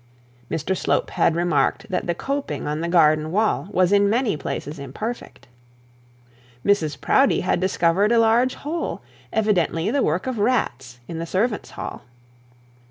Mr Slope had remarked that the coping on the garden wall was in many places imperfect. Mrs Proudie had discovered a large hole, evidently the work of rats, in the servants' hall.